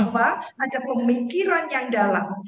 ada pemikiran yang dalam